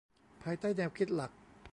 ภายใต้แนวคิดหลัก